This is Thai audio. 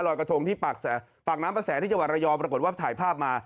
รอยกระทงที่ปากน้ำประแสที่จังหวัดระยองปรากฏว่าถ่ายภาพมา